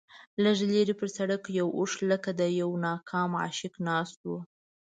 لږ لرې پر سړک یو اوښ لکه د یوه ناکام عاشق ناست و.